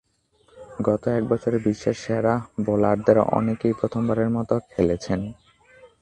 গত এক বছরে বিশ্বের সেরা বোলারদের অনেককেই প্রথমবারের মতো খেলেছেন।